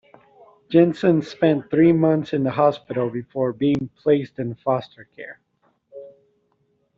Jessen spent three months in the hospital before being placed in foster care.